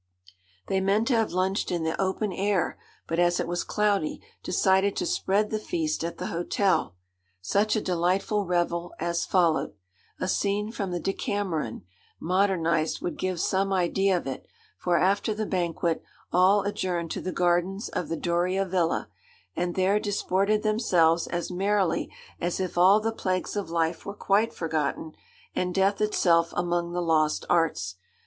They meant to have lunched in the open air; but, as it was cloudy, decided to spread the feast at the hotel. Such a delightful revel as followed! A scene from the 'Decameron,' modernised, would give some idea of it; for after the banquet all adjourned to the gardens of the Doria Villa, and there disported themselves as merrily as if all the plagues of life were quite forgotten, and death itself among the lost arts.